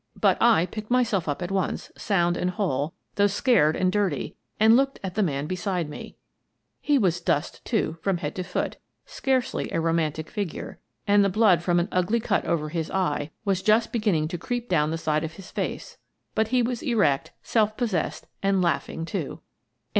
But I picked myself up at once, sound and whole, though scared and dirty, and looked at the man beside me. He was dust, too, from head to foot, — scarcely a romantic figure, — and the blood from an ugly cut over his eye was just beginning to creep down 96 Miss Frances Baird, Detective the side of his face.